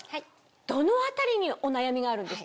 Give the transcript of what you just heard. どの辺りにお悩みがあるんですか？